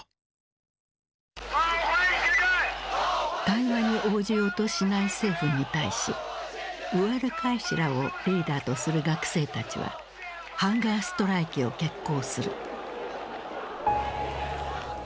対話に応じようとしない政府に対しウアルカイシらをリーダーとする学生たちはハンガーストライキを決行する。